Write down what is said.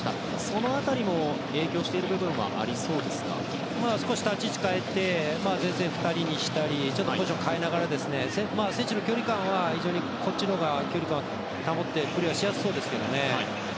その辺りも影響している部分は少し、立ち位置を変えて前線２人にしたりポジションを変えながら選手の距離感はこっちのほうが距離感を保ってプレーしやすそうですけどね。